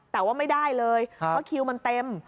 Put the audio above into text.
แต่ว่าไม่ได้เลยเพราะคิวมันเต็ม